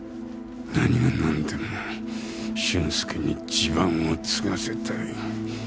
何が何でも俊介に地盤を継がせたい。